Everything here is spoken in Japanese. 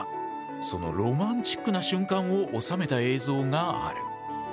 そのロマンチックな瞬間を収めた映像がある。